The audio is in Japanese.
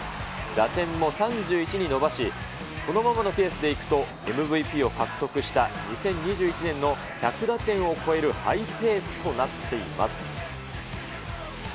打点も３１に伸ばし、このままのペースでいくとＭＶＰを獲得した２０２１年の１００打点を超えるハイペースとなっています。